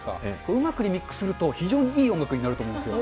うまくリミックスすると、非常にいい音楽になると思うんですよ。